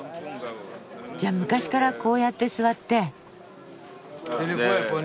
じゃあ昔からこうやって座って。